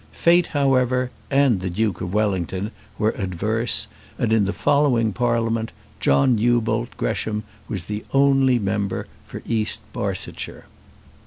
Fate, however, and the Duke of Wellington were adverse, and in the following Parliament John Newbold Gresham was only member for East Barsetshire.